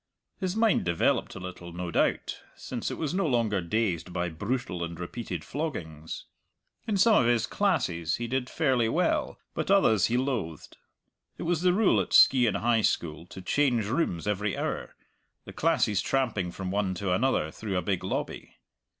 His mind developed a little, no doubt, since it was no longer dazed by brutal and repeated floggings. In some of his classes he did fairly well, but others he loathed. It was the rule at Skeighan High School to change rooms every hour, the classes tramping from one to another through a big lobby.